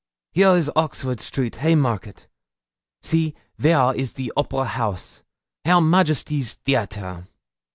Here is Oxford Street Haymarket. See, there is the Opera House Hair Majesty's Theatre.